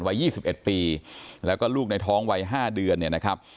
วัยยี่สิบเอ็ดปีแล้วก็ลูกในท้องวัยห้าเดือนเนี่ยนะครับ